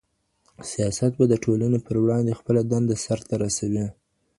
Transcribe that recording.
سياست به د ټولني پر وړاندي خپله دنده سرته رسوي.